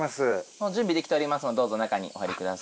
もう準備できておりますのでどうぞ中にお入り下さい。